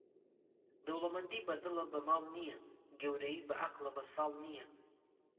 دەوڵەمەندی بەدڵە بە ماڵ نییە، گەورەیی بە عەقڵە بە ساڵ نییە.